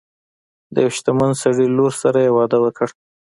د یو شتمن سړي لور سره یې واده وکړ.